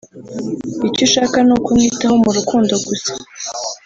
icyo ashaka ni uko umwitaho mu rukundo gusa